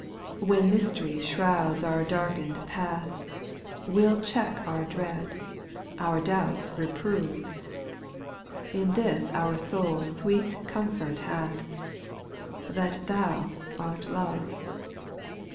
3. When myst'ry shrouds our darkened path, We '11 check our dread, our doubts reprove ; In this our soul sweet comfort hath, That Thou art love.